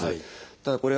ただこれ